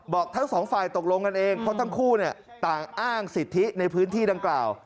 ทั้งสองฝ่ายตกลงกันเองเพราะทั้งคู่ต่างอ้างสิทธิในพื้นที่ดังกล่าว